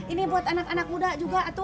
ini buat anak anak muda juga